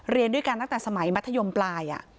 เรียนด้วยกันตั้งแต่สมัยมัธยมปลาย